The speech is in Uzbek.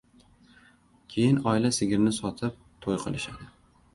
Keyin ola sigirni sotib to‘y qilishadi.